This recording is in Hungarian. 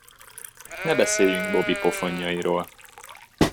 Ne beszéljünk Bobby pofonjairól!